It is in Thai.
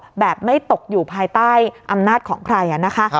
แบบไม่ตกอยู่ภายใต้อำนาจของใครนะคะ